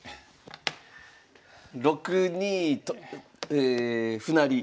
６二歩成。